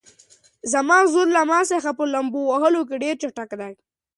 زما ورور له ما څخه په لامبو وهلو کې ډېر چټک دی.